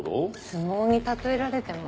相撲に例えられても。